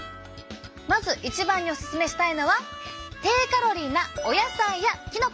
まず一番にオススメしたいのは低カロリーなお野菜やきのこ！